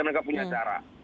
mereka punya cara